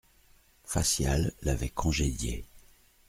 Facial l'avait congédiée.